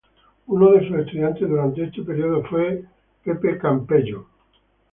Uno de sus estudiantes durante este período fue Joseph Campbell.